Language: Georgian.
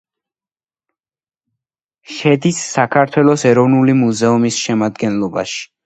შედის საქართველოს ეროვნული მუზეუმის შემადგენლობაში.